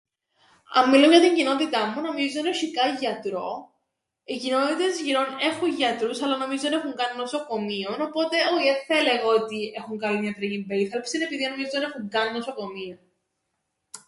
Αν μιλούμεν για την κοινότηταν μου, νομίζω εν έσ̆ει καν γιατρόν. Οι κοινότητες γυρόν έχουν γιατρούς αλλά νομίζω εν έχουν καν νοσοκομείον, οπότε όι εν θα έλεγα ότι έχουν καλήν ιατρικήν περίθαλψην, επειδή νομίζω εν έχουν καν νοσοκομείον.